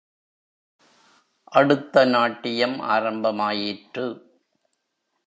அடுத்த நாட்டியம் ஆரம்பமாயிற்று.